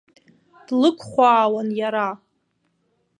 Длықәхәаауан иара.